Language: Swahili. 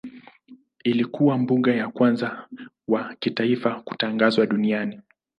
Ilikuwa mbuga ya kwanza wa kitaifa kutangazwa duniani.